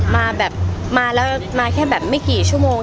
มาแบบมาแล้วมาแค่แบบไม่กี่ชั่วโมง